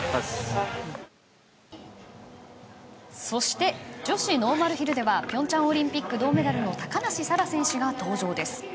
そして女子ノーマルヒルでは平昌オリンピック銅メダルの高梨沙羅選手が登場です。